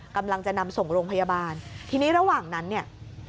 กำลังจะนำส่งโรงพยาบาลทีนี้ระหว่างนั้นเนี่ย